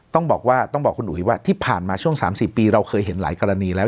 ต้องบอกว่าต้องบอกคุณอุ๋ยว่าที่ผ่านมาช่วง๓๔ปีเราเคยเห็นหลายกรณีแล้ว